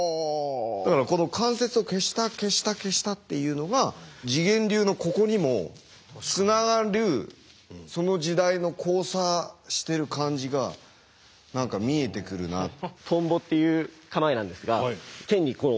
だからこの関節を消した消した消したっていうのが自顕流のここにもつながるその時代の交差してる感じが何か見えてくるなって。